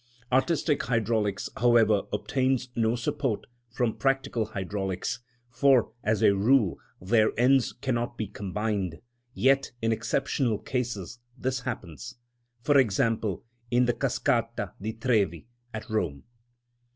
Artistic hydraulics, however, obtains no support from practical hydraulics, for, as a rule, their ends cannot be combined; yet, in exceptional cases, this happens; for example, in the Cascata di Trevi at Rome.